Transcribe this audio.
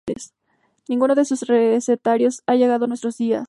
Ninguno de sus recetarios ha llegado a nuestros días.